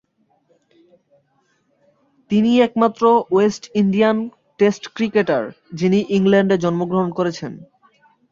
তিনিই একমাত্র West Indian test cricketer যিনি ইংল্যান্ডে জন্মগ্রহণ করেছেন।